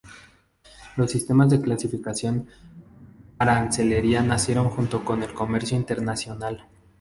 Los sistemas de clasificación arancelaria nacieron junto con el comercio internacional.